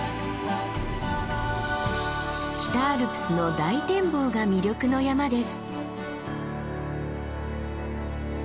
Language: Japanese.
北アルプスの大展望が魅力の山です。